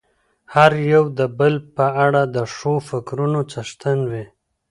هر يو د بل په اړه د ښو فکرونو څښتن وي.